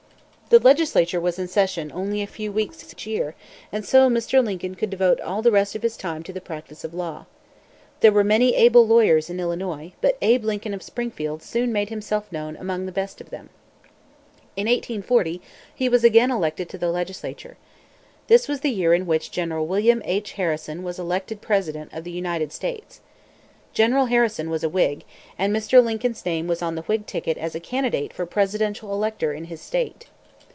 The legislature was in session only a few weeks each year; and so Mr. Lincoln could devote all the rest of the time to the practice of law. There were many able lawyers in Illinois; but Abe Lincoln of Springfield soon made himself known among the best of them. In 1840, he was again elected to the legislature. This was the year in which General William H. Harrison was elected president of the United States. General Harrison was a Whig; and Mr. Lincoln's name was on the Whig ticket as a candidate for presidential elector in his state.